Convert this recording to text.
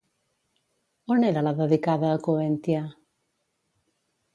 On era la dedicada a Coventia?